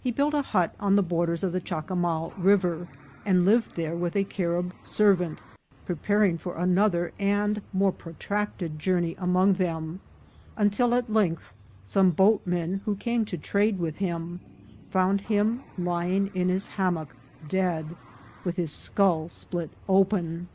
He built a hut on the borders of the Chacamal River, and lived there with a Carib servant, preparing for an other and more protracted journey among them, until at length some boatmen who came to trade with him found him lying in his hammock dead, with his scull split open.